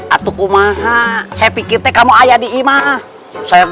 aku kumohon saya pikir kamu ada di rumah saya